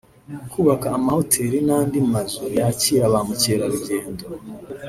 kubaka amahoteli n’andi mazu yakira ba mukerarugendo